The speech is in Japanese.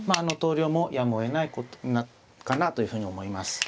投了もやむをえないかなというふうに思います。